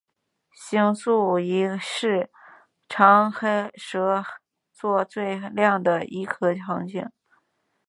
星宿一是长蛇座最亮的一颗恒星。